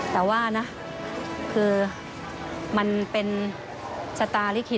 แต่ว่านะคือมันเป็นชะตาลิขิต